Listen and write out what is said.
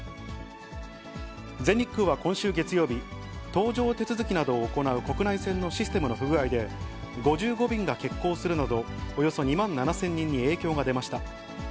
全日空は今週月曜日、搭乗手続きなどを行う国内線のシステムの不具合で、５５便が欠航するなど、およそ２万７０００人に影響が出ました。